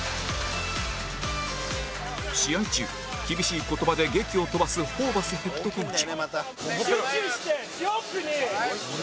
試合中厳しい言葉で檄を飛ばすホーバスヘッドコーチ